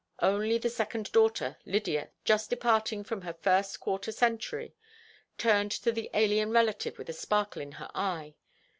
Only the second daughter, Lydia, just departing from her first quarter century, turned to the alien relative with a sparkle in her eye.